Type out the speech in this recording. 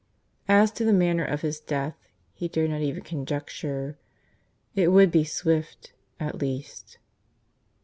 As to the manner of his death he dared not even conjecture. It would be swift, at least.